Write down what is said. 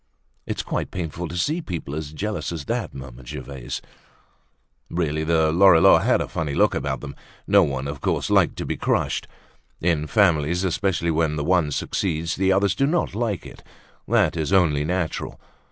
"It's quite painful to see people as jealous as that," murmured Gervaise. Really the Lorilleuxs had a funny look about them. No one of course likes to be crushed; in families especially when the one succeeds, the others do not like it; that is only natural.